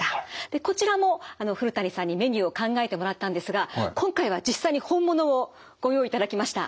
でこちらも古谷さんにメニューを考えてもらったんですが今回は実際に本物をご用意いただきました。